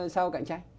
sau cạnh tranh